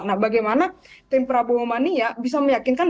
nah bagaimana tim prabowo mania bisa meyakinkan